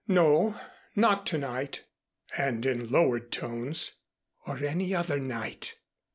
"No not to night," and in lowered tones, "or any other night."